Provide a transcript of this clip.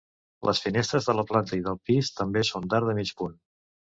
Les finestres de la planta i del pis també són d'arc de mig punt.